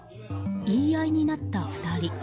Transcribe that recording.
言い合いになった２人。